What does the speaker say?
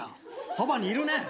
『そばにいるね』